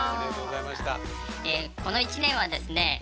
この一年はですね